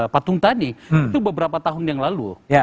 patung tadi itu beberapa tahun yang lalu